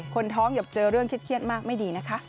คนท้องอย่าเจอเรื่องเครียดมากไม่ดีนะคะ